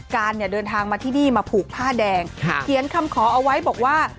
การเนี่ยเดินทางมาที่นี่มาผูกผ้าแดงเขียนคำขอเอาไว้บอกว่า